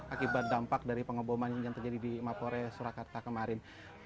akibat dampak dari pengaboman yang terjadi di mapol resta surakarta kemarin